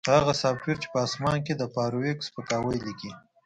هغه سافټویر چې په اسمان کې د فارویک سپکاوی لیکي